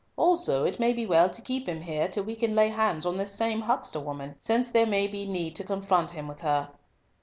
Also it may be well to keep him here till we can lay hands on this same huckster woman, since there may be need to confront him with her.